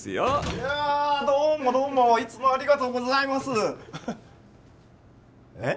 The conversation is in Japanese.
いやあどうもどうもいつもありがとうございますえっ？